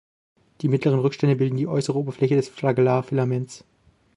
Die mittleren Rückstände bilden die äußere Oberfläche des Flagellar-Filaments.